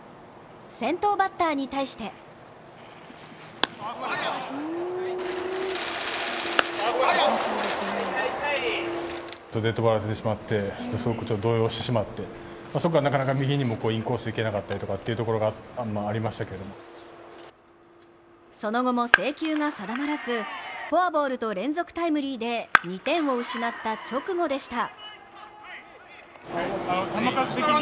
先頭バッターに対してフォアボールと連続タイムリーで２点を失った直後でした。